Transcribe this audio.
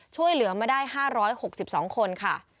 ช่วยเหลือมาได้๕๖๒คนค่ะ